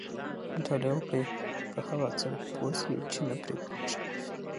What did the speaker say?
مطالعه وکړئ! چي په هغه څه پوه سئ، چي نه پرې پوهېږئ.